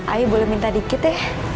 ayo boleh minta dikit ya